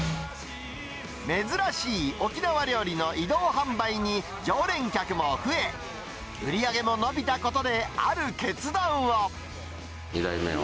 珍しい沖縄料理の移動販売に、常連客も増え、売り上げも伸びたことである決断を。